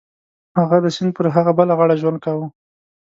هغه د سیند پر هغه بله غاړه ژوند کاوه.